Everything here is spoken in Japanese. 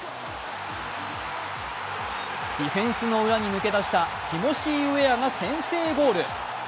ディフェンスの裏に抜け出したティモシー・ウエアがゴール。